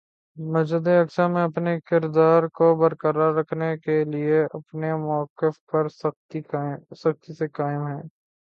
مسجد اقصیٰ میں اپنے کردار کو برقرار رکھنے کے لیے اپنے مؤقف پر سختی سے قائم ہے-